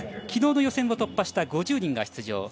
昨日の予選を突破した５０人が出場。